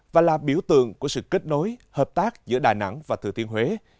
và là biểu tượng của sự kết nối hợp tác giữa đà nẵng và thừa thiên huế